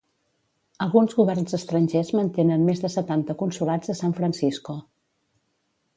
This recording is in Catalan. Alguns governs estrangers mantenen més de setanta consolats a San Francisco.